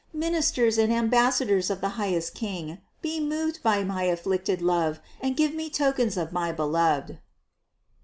Ministers and ambassadors of the highest King, be moved by my afflicted love and give me tokens of my Beloved."